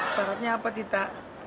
syaratnya apa tita